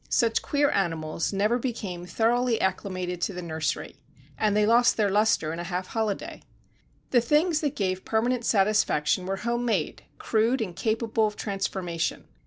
Such queer animals never became thoroughly acclimated to the nursery, and they lost their lustre in a half holiday. The things that gave permanent satisfaction were home made, crude and capable of transformation.